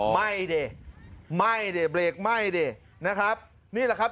ไม่ดิไม่ดิเบรกไม่นี่แหละครับ